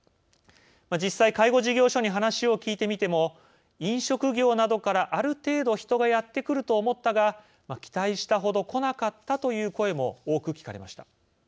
実際、介護事業所に話を聞いてみても「飲食業などから、ある程度人がやってくると思ったが期待したほど来なかった」という声も多く聞かれました。